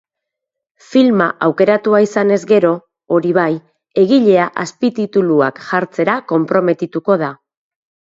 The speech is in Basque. Filma aukeratua izanez gero, hori bai, egilea azpitituluak jartzera konprometituko da.